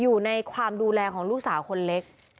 อยู่ในความดูแลของลูกสาวคนเล็ก